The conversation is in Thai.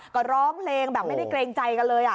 ก็ร้องเพลงแบบไม่ได้เกรงใจกันเลย